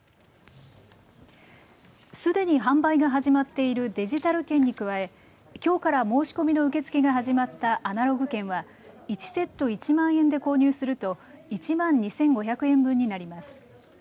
すでに販売が始まっているデジタル券に加えきょうから申し込みの受け付けが始まったアナログ券は１セット１万円で購入すると１万２５００円分になります。